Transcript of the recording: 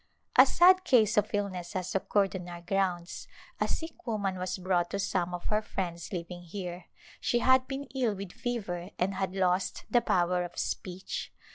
A sad case of illness has occurred on our grounds. A sick woman was brought to some of her friends liv ing here. She had been ill with fever and had lost the power of speech.